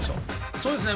そうですね。